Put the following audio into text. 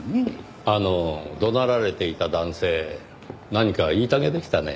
あの怒鳴られていた男性何か言いたげでしたね。